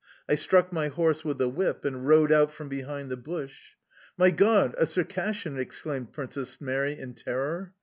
I struck my horse with the whip and rode out from behind the bush... "Mon Dieu, un circassien!"... exclaimed Princess Mary in terror.